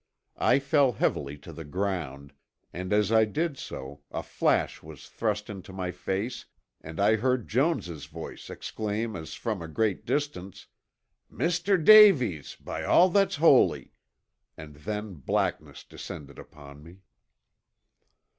I fell heavily to the ground, and as I did so a flash was thrust into my face and I heard Jones' voice exclaim as from a great distance, "Mr. Davies, by all that's holy," and then blackness descended upon me.